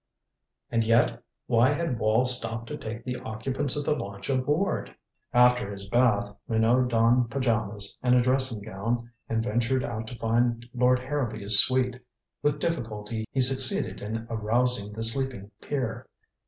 And yet why had Wall stopped to take the occupants of the launch aboard? After his bath, Minot donned pajamas and a dressing gown and ventured out to find Lord Harrowby's suite. With difficulty he succeeded in arousing the sleeping peer.